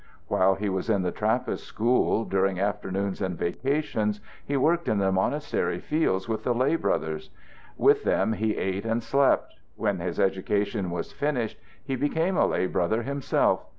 While he was in the Trappist school, during afternoons and vacations he worked in the monastery fields with the lay brothers. With them he ate and slept. When his education was finished he became a lay brother himself.